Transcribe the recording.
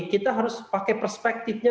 kita harus pakai perspektifnya